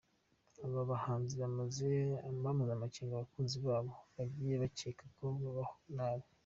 Aba bahanzi bamaze amakenga abakunzi babo bagiye bakeka ko babaho nabi.